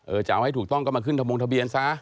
เอ่อจะเอาให้ถูกต้องก็มาขึ้นโธกงทะเบียญซ้า